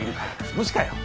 無視かよ！